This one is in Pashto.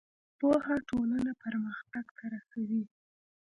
پوهه ټولنه پرمختګ ته رسوي.